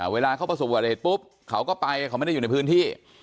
เวลาเขาประสบวัติเหตุปุ๊บเขาก็ไปเขาไม่ได้อยู่ในพื้นที่